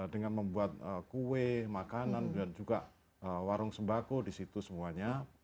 dengan membuat kue makanan dan juga warung sembako di situ semuanya